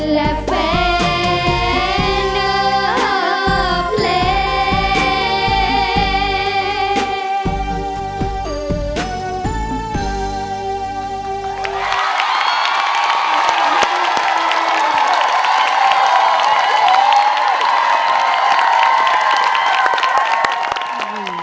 และแฟนเตอร์เพลง